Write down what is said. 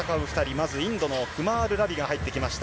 まずインドのクマール・ラビが入ってきました。